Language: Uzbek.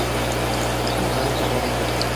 Kanal havolasi: